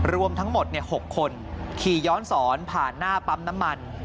รวมทั้งหมด๖คนขี่ย้อนสอนผ่านหน้าปั๊มน้ำมัน